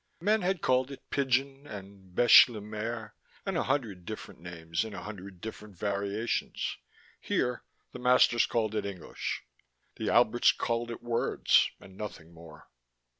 Men had called it pidgin and Beche le mer and a hundred different names in a hundred different variations. Here, the masters called it English. The Alberts called it words, and nothing more.